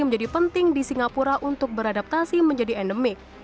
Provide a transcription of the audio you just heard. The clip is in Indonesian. menjadi penting di singapura untuk beradaptasi menjadi endemik